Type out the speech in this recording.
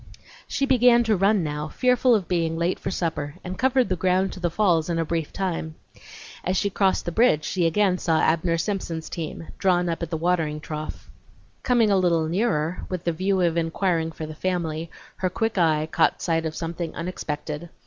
She began to run now, fearful of being late for supper, and covered the ground to the falls in a brief time. As she crossed the bridge she again saw Abner Simpson's team, drawn up at the watering trough. Coming a little nearer, with the view of inquiring for the family, her quick eye caught sight of something unexpected.